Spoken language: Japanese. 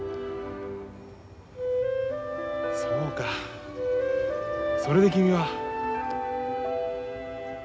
そうかそれで君は。